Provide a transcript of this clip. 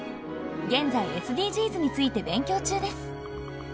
現在ＳＤＧｓについて勉強中です。